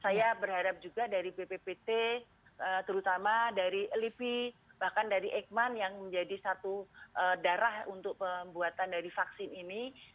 saya berharap juga dari bppt terutama dari lipi bahkan dari eijkman yang menjadi satu darah untuk pembuatan dari vaksin ini